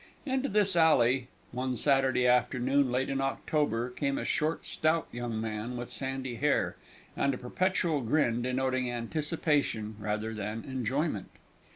Into this alley, one Saturday afternoon late in October, came a short stout young man, with sandy hair, and a perpetual grin denoting anticipation rather than enjoyment.